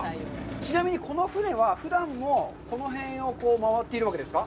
ちなみにこの船は、ふだんもこの辺を回っているわけですか。